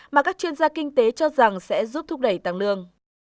mà các chuyên gia kinh tế cho rằng sẽ giúp thúc đẩy tăng lương